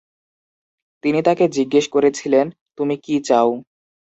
তিনি তাকে জিজ্ঞেস করেছিলেন, "তুমি কী চাও?"